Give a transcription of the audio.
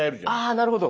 あなるほど。